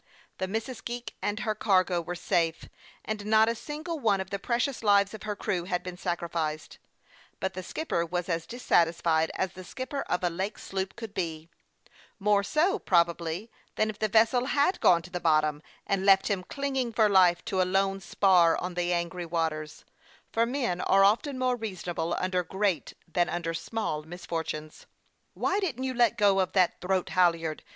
The Missisque and her cargo 20 HASTE AND WASTE, OR were safe, and not a single one of the precious lives of her crew had been sacrificed ; but the skipper was as dissatisfied as the skipper of a lake sloop could be ; more so, probably, than if the vessel had gone to the bottom, and left him clinging* for life to a lone spar on the angry waters, for men are often more reasonable under great than under small mis fortunes. " Why didn't you let go that throat halyard